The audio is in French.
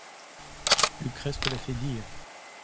Lucrèce te l’a fait dire.